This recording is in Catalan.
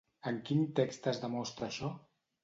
En quin text es demostra això?